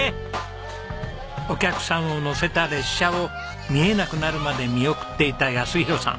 お客さんを乗せた列車を見えなくなるまで見送っていた泰弘さん。